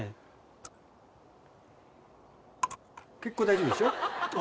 結構大丈夫でしょ？